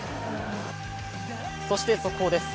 そして速報です。